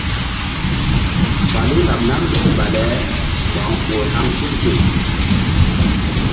Falu laɓ nam mbew bale Mo̧ko ur haŋ tul fe.